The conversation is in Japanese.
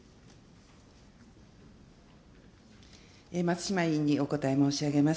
松島委員にお答え申し上げます。